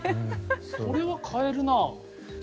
これは替えるな。